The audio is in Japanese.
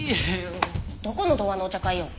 どこの童話のお茶会よ。